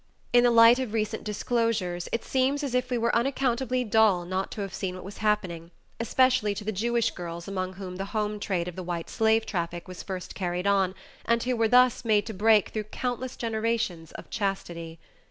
In the light of recent disclosures, it seems as if we were unaccountably dull not to have seen what was happening, especially to the Jewish girls among whom "the home trade of the white slave traffic" was first carried on and who were thus made to break through countless generations of chastity.